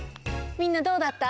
みんなどうだった？